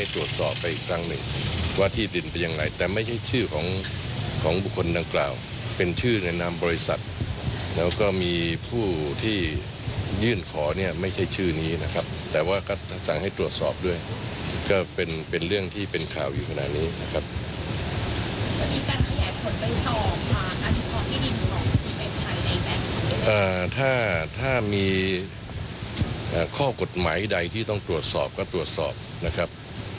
ถ้ามีข้อกฎหมายใดที่ต้องตรวจสอบก็ตรวจสอบนะครับ